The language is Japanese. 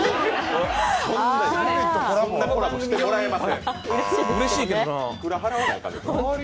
そんなコラボ、してもらえません。